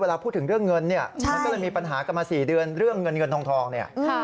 พูดถึงเรื่องเงินเนี่ยมันก็เลยมีปัญหากันมา๔เดือนเรื่องเงินเงินทองเนี่ย